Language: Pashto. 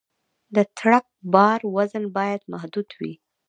د ټرک د بار وزن باید محدود وي.